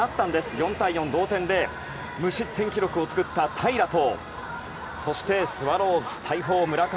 ４対４、同点で無失点記録を作った平良とそして、スワローズ大砲、村上。